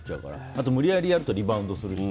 あと無理やりやるとリバウンドするし。